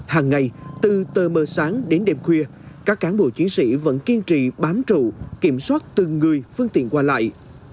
hàng ngày từ tờ mờ sáng đến đêm khuya các cán bộ chiến sĩ vẫn kiên trì bám trụ kiểm soát từng người phương tiện qua lại